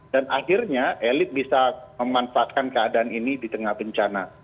dan akhirnya elit bisa memanfaatkan keadaan ini di tengah bencana